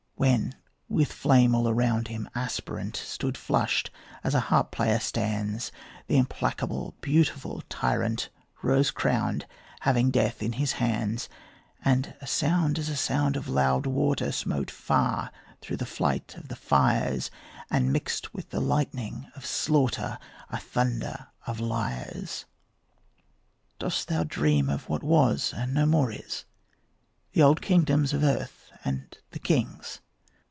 When, with flame all around him aspirant, Stood flushed, as a harp player stands, The implacable beautiful tyrant, Rose crowned, having death in his hands; And a sound as the sound of loud water Smote far through the flight of the fires, And mixed with the lightning of slaughter A thunder of lyres. Dost thou dream of what was and no more is, The old kingdoms of earth and the kings?